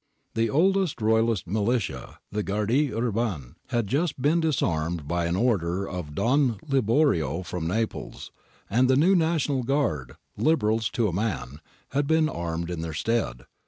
The old Royalist militia — thegnardie urbane — had just been disarmed by an order of Don Liborio from Naples, and the new National Guard, Liberals to a man, had been armed in their stead.